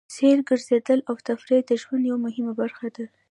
سیل، ګرځېدل او تفرېح د ژوند یوه مهمه برخه ده.